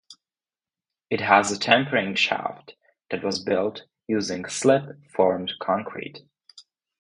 It has a tapering shaft that was built using slip-formed concrete.